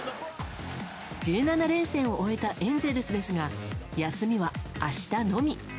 １７連戦を終えたエンゼルスですが休みは明日のみ。